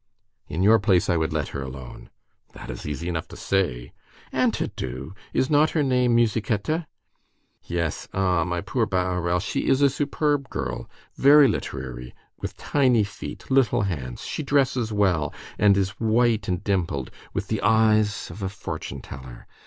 "In your place, I would let her alone." "That is easy enough to say." "And to do. Is not her name Musichetta?" "Yes. Ah! my poor Bahorel, she is a superb girl, very literary, with tiny feet, little hands, she dresses well, and is white and dimpled, with the eyes of a fortune teller.